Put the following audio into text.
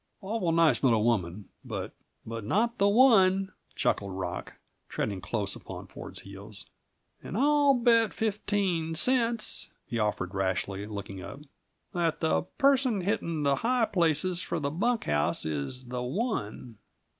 Awful nice little woman, but " "But not The One," chuckled Rock, treading close upon Ford's heels. "And I'll bet fifteen cents," he offered rashly, looking up, "that the person hitting the high places for the bunk house is The One."